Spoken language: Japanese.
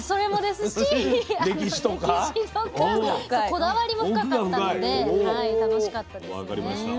こだわりも深かったので楽しかったですね。